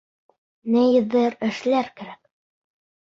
Ниҙер эшләр кәрәк.